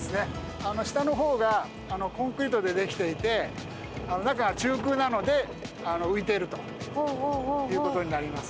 下の方がコンクリートで出来ていて中が中空なので浮いているということになります。